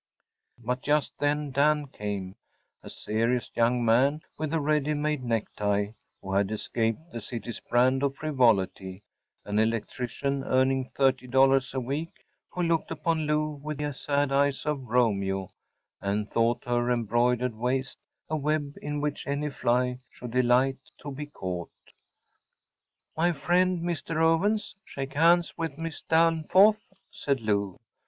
‚ÄĚ But just then Dan came‚ÄĒa serious young man with a ready made necktie, who had escaped the city’s brand of frivolity‚ÄĒan electrician earning 30 dollars per week who looked upon Lou with the sad eyes of Romeo, and thought her embroidered waist a web in which any fly should delight to be caught. “My friend, Mr. Owens‚ÄĒshake hands with Miss Danforth,‚ÄĚ said Lou.